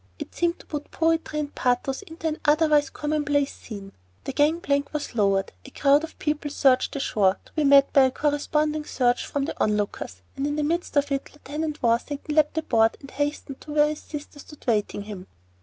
It seemed to put poetry and pathos into an otherwise commonplace scene. The gang plank was lowered, a crowd of people surged ashore, to be met by a corresponding surge from the on lookers, and in the midst of it Lieutenant Worthington leaped aboard and hastened to where his sister stood waiting him.